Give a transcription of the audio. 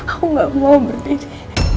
aku gak mau berdiri